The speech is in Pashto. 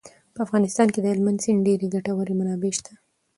په افغانستان کې د هلمند سیند ډېرې ګټورې منابع شته.